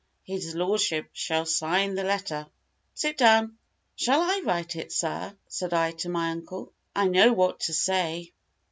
His lordship shall sign the letter. Sit down." "Shall I write it, sir?" said I to my uncle: "I know what to say."